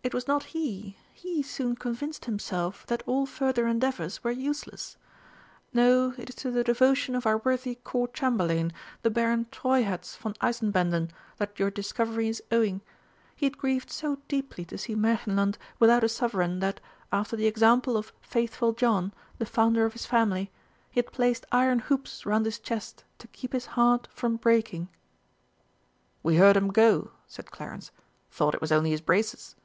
"It was not he. He soon convinced himself that all further endeavours were useless. No, it is to the devotion of our worthy Court Chamberlain, the Baron Treuherz von Eisenbänden, that your discovery is owing. He had grieved so deeply to see Märchenland without a Sovereign that, after the example of 'Faithful John,' the founder of his family, he had placed iron hoops round his chest to keep his heart from breaking." "We heard 'em go," said Clarence; "thought it was only his braces."